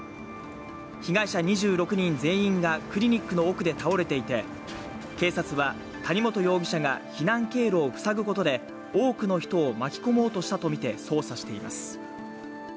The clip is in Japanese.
被害者２６人全員がクリニックの奥で倒れていて警察は谷本容疑者が避難経路を塞ぐことで多くの人を巻き込もうとしたとみて捜査しています。